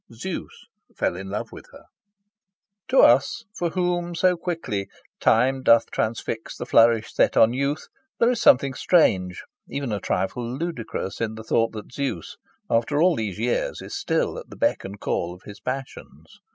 Zeus fell in love with her. To us, for whom so quickly "time doth transfix the flourish set on youth," there is something strange, even a trifle ludicrous, in the thought that Zeus, after all these years, is still at the beck and call of his passions.